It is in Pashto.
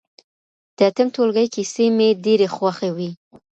د اتم ټولګي کیسې مي ډېرې خوښې وې.